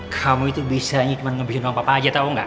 kamu itu bisa hanya cuman ngebikin orang papa aja tahu gak